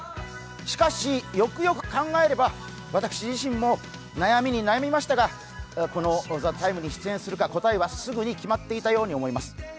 しかし、よくよく考えれば私自身も、悩みに悩みましたが、この「ＴＨＥＴＩＭＥ，」に出演するか、答えはすぐに決まっていたように思います。